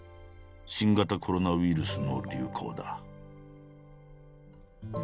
新型コロナウイルスの流行だ。